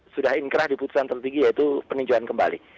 sudah inkrah di putusan tertinggi yaitu peninjauan kembali